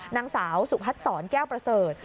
นางสาวสุภัทธ์สอนแก้วประเสริฐ